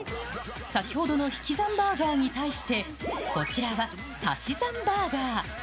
先ほどの引き算バーガーに対して、こちらは足し算バーガー。